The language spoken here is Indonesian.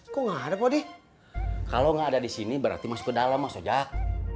kok nggak ada pakudi kalau nggak ada di sini berarti masuk ke dalam mas ojak